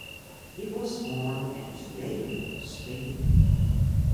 He was born at Toledo, Spain.